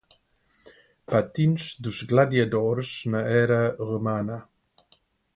Patins dos gladiadores na era romana